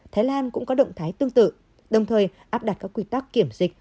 thái lan cũng có động thái tương tự đồng thời áp đặt các quy tắc kiểm dịch